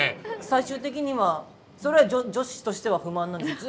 最終的にはそれは女子としては不満なんじゃない？